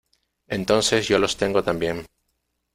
Entonces yo los tengo también.